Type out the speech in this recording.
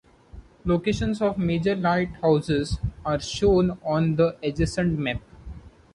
Locations of major lighthouses are shown on the adjacent map.